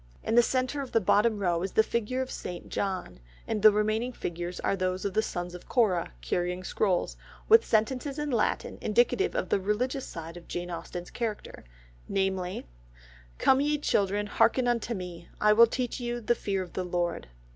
In the centre of the bottom row is the figure of St. John, and the remaining figures are those of the sons of Korah carrying scrolls, with sentences in Latin, indicative of the religious side of Jane Austen's character, namely, "Come ye children, hearken unto me; I will teach you the fear of the Lord."